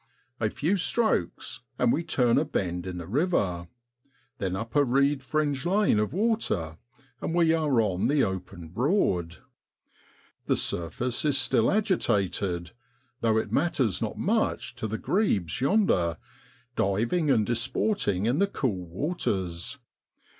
A few strokes, and we turn a bend in the river, then up a reed fringed lane of water, and we are on the open Broad. The surface is still agitated, though it matters not much to the grebes yonder, diving and disporting in the cool waters.